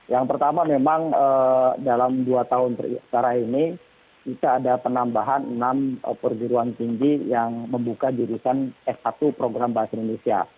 yang pertama memang dalam dua tahun terakhir ini kita ada penambahan enam perjuruan tinggi yang membuka jurusan s satu program bahasa indonesia